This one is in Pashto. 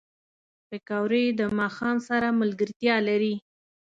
پکورې د ماښام سره ملګرتیا لري